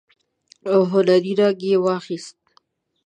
او هنري رنګ يې واخيست.